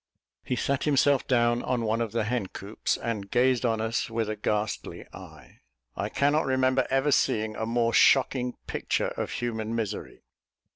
He sat himself down on one of the hen coops, and gazed on us with a ghastly eye. I cannot remember ever seeing a more shocking picture of human misery.